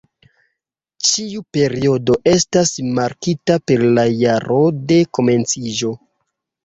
Ĉiu periodo estas markita per la jaro de komenciĝo.